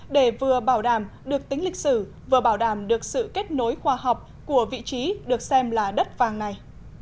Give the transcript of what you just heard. để vừa bảo đảm được tính lịch sử vừa bảo đảm được sự kết nối khoa học của vị trí được xem là đất vàng này